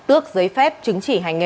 ước giấy phép chứng chỉ hành nghề